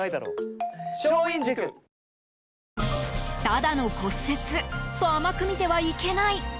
ただの骨折と甘く見てはいけない。